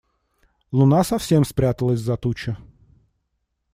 Луна совсем спряталась за тучи.